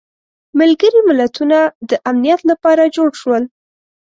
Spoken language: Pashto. ملګري ملتونه د امنیت لپاره جوړ شول.